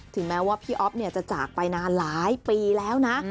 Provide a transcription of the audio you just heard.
แม้ว่าพี่อ๊อฟจะจากไปนานหลายปีแล้วนะ